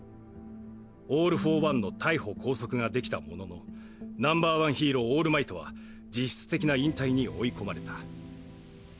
オール・フォー・ワンの逮捕拘束ができたもののＮｏ．１ヒーローオールマイトは実質的な引退に追い込まれた。